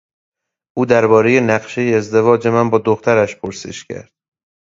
او دربارهی نقشهی ازدواج من با دخترش پرسش کرد.